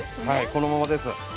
はい、このままです。